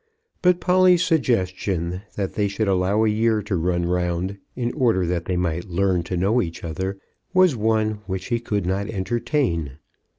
But Polly's suggestion that they should allow a year to run round in order that they might learn to know each other was one which he could not entertain.